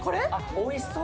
おいしそう。